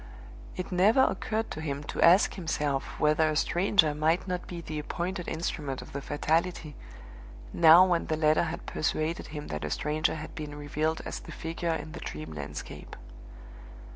It never occurred to him to ask himself whether a stranger might not be the appointed instrument of the Fatality, now when the letter had persuaded him that a stranger had been revealed as the figure in the dream landscape.